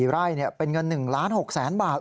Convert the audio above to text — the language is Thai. ๔ไร่เป็นเงิน๑๖ล้านบาท